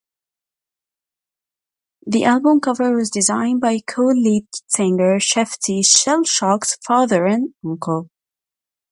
The album cover was designed by co-lead singer Shifty Shellshock's father and uncle.